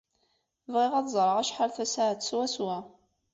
Bɣiɣ ad ẓreɣ acḥal tasaɛet swaswa.